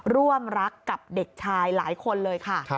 ร่วมรักกับเด็กชายหลายคนเลยค่ะ